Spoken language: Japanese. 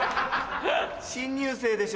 新入生でしょ？